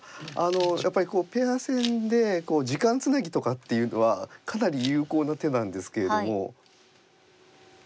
やっぱりペア戦で時間つなぎとかっていうのはかなり有効な手なんですけれども。